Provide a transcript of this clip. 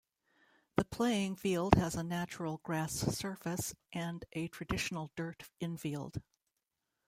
The playing field has a natural grass surface and a traditional dirt infield.